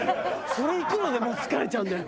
それ行くので疲れちゃうんだよ。